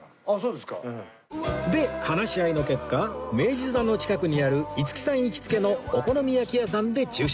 で話し合いの結果明治座の近くにある五木さん行きつけのお好み焼き屋さんで昼食